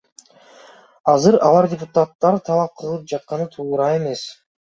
Азыр алар депутаттардан талап кылып жатканы туура эмес.